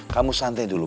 kamu santai dulu